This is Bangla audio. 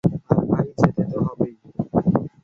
আর ভাই, যেতে তো হবেই।